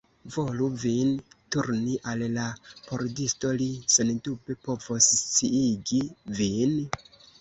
Volu vin turni al la pordisto; li sendube povos sciigi vin.